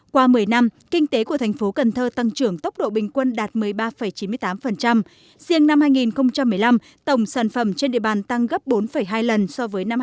qua một mươi năm kinh tế của thành phố cần thơ tăng trưởng tốc độ bình quân đạt một mươi ba chín mươi tám riêng năm hai nghìn một mươi năm tổng sản phẩm trên địa bàn tăng gấp bốn hai lần so với năm hai nghìn một mươi